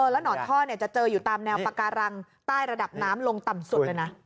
แล้วหนอนท่อจะเจออยู่ตามแนวปาการังใต้ระดับน้ำลงต่ำสุดเลยนะ